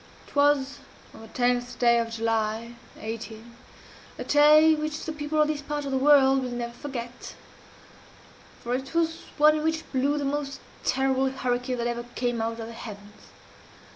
It was on the tenth of July, 18 , a day which the people of this part of the world will never forget for it was one in which blew the most terrible hurricane that ever came out of the heavens.